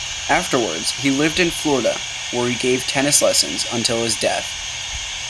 Afterwards, he lived in Florida, where he gave tennis lessons until his death.